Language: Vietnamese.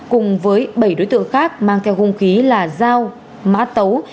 cùng với bảy đối tượng khác mang theo khung khí là dao má tấu